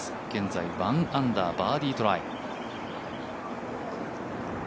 現在、１アンダーバーディートライ。